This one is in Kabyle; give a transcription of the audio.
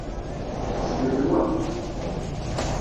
Zmel wa.